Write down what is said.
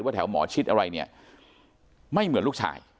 แถวหมอชิดอะไรเนี่ยไม่เหมือนลูกชาย